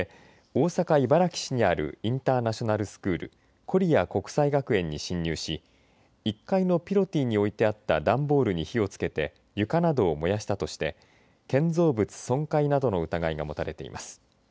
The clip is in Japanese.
大阪、茨木市にあるインターナショナルスクールコリア国際学園に侵入し１階のピロティに置いてあった段ボールに火をつけて床などを燃やしたとして建造物損壊などの疑いが持たれています。